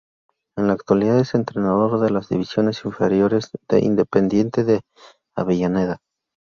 En la actualidad es entrenador de las divisiones inferiores de Independiente de Avellaneda.